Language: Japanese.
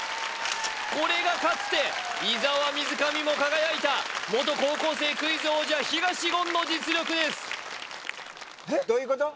これがかつて伊沢水上も輝いた元高校生クイズ王者東言の実力ですどういうこと？